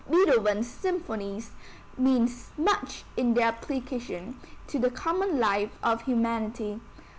Beethoven's symphonies mean much in their application to the common life of humanity.